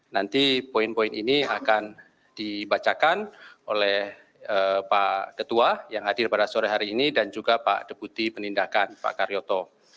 nanti poin poin ini akan dibacakan oleh pak ketua yang hadir pada sore hari ini dan juga pak deputi penindakan pak karyoto